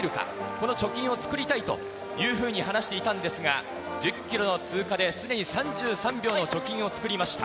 この貯金を作りたいというふうに話していたんですが、１０キロの通過ですでに３３秒の貯金を作りました。